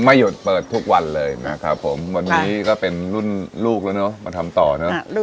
ไม่หยุดเปิดทุกวันเลยนะครับผมวันนี้ก็เป็นรุ่นลูกแล้วเนอะมาทำต่อเนอะ